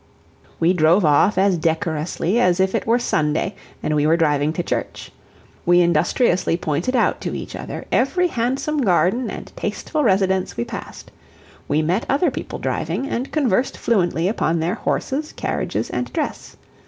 We drove off as decorously as if it were Sunday and we were driving to church; we industriously pointed out to each other every handsome garden and tasteful residence we passed; we met other people driving, and conversed fluently upon their horses, carriages and dress.